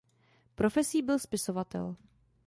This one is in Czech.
Profesí byl spisovatel.